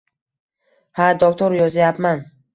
Ha, doktor yozayapman